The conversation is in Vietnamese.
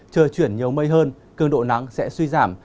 trời chuyển nhiều mây hơn cường độ nắng sẽ suy giảm